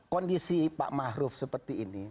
kondisi pak maruf seperti ini